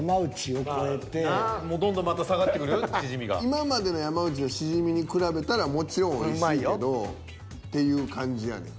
今までの山内のシジミに比べたらもちろんおいしいけど。っていう感じやねん。